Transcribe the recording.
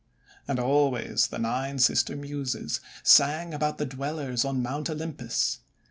And always the Nine Sister Muses sang about the Dwellers on Mount Olympus.